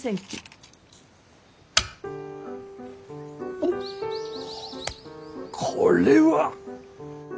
おっこれは。